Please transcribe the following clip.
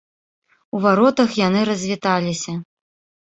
У варотах яны развіталіся.